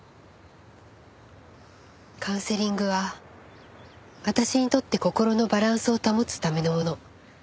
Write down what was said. カウンセリングは私にとって心のバランスを保つためのもの。